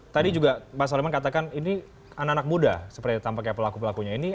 tadi juga pak soleman katakan ini anak anak muda seperti tampaknya pelaku pelakunya ini